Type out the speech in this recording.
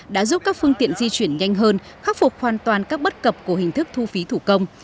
đã giúp các phương tiện di chuyển nhanh hơn khắc phục hoàn toàn các bất cập của hình thức thu phí thủ công